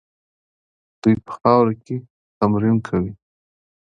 دوی په خاورو کې تمرین کوي.